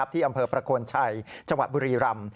ที่อำเภอประกวนชัยจังหวะบุรีรัมพ์